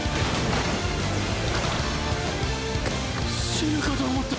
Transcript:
死ぬかと思った。